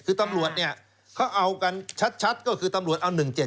คือตำรวจเนี่ยเขาเอากันชัดก็คือตำรวจเอา๑๗๗